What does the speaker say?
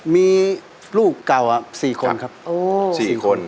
มีลูกเก่า๔คนครับ๔คน